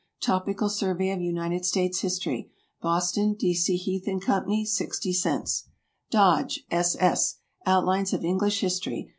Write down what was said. "Topical Survey of United States History." Boston, D. C. Heath & Co. 60 cents. DODGE, S. S. "Outlines of English History."